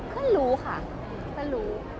เพื่อนรู้ค่ะเพื่อนรู้